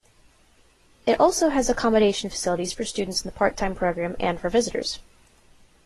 It also has accommodation facilities for students in the part-time program and for visitors.